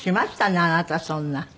あなたそんな。